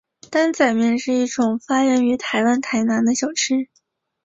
担仔面是一种发源于台湾台南的小吃。